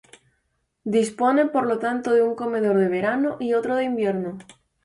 Dispone por lo tanto de un comedor de verano y otro de invierno.